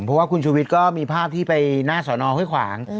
เพราะว่าคุณชุวิตก็มีภาพที่ไปหน้าสนค่อยขวาง